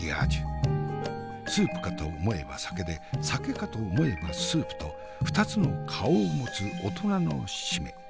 スープかと思えば酒で酒かと思えばスープと２つの顔を持つ大人の〆。